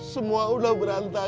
semua udah berantakan